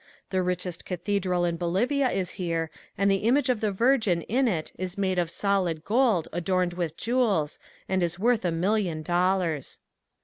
The richest cathedral in Bolivia is here and the image of the Virgin in it is made of solid gold adorned with jewels and is worth a million dollars.